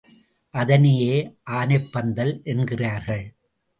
அதனையே ஆனைப்பந்தல் என்கிறார்கள்.